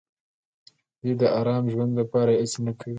دوی د ارام ژوند لپاره هېڅ نه کوي.